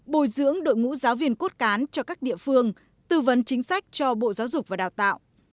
bồi dưỡng đội ngũ giáo viên cốt cán cho các địa phương tư vấn chính sách cho bộ giáo dục và đào tạo